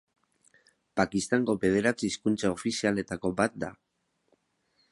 Pakistango bederatzi hizkuntza ofizialetako bat da.